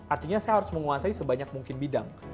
artinya saya harus menguasai sebanyak mungkin bidang